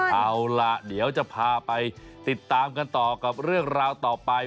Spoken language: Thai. เอาล่ะเดี๋ยวจะพาไปติดตามกันต่อกับเรื่องราวต่อไป